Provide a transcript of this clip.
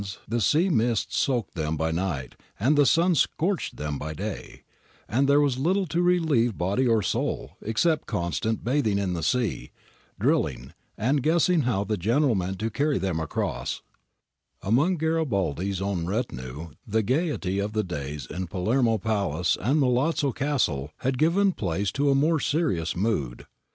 — U. o'rt < "S ^ 13 <^ 3 ON THE SANDS BY THE LIGHTHOUSE in there was little to relieve body or soul except constant bathing in the sea, drilling, and guessing how the General meant to carry them across.^ Among Garibaldi's own retinue the gaiety of the days in Palermo Palace and Milazzo Castle had given place to a more serious mood.